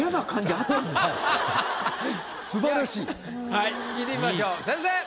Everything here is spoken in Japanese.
はい聞いてみましょう先生！